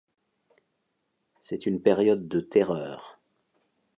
C'est une période de terreur.